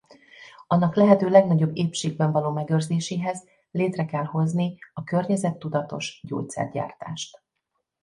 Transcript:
Annak lehető legnagyobb épségben való megőrzéséhez létre kell hozni a környezettudatos gyógyszergyártást.